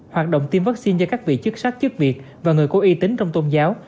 hoạt động tiêm vaccine cho các vị chức sắc chức việt và người có uy tín trong tôn giáo